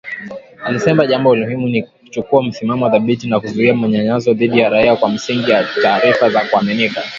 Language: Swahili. Alisema jambo muhimu ni kuchukua msimamo thabiti na kuzuia manyanyaso dhidi ya raia kwa msingi wa taarifa za kuaminika